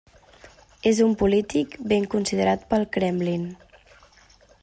És un polític ben considerat pel Kremlin.